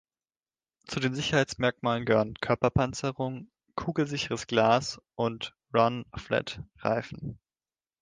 Zu den Sicherheitsmerkmalen gehören Körperpanzerung, kugelsicheres Glas und Run-Flat-Reifen.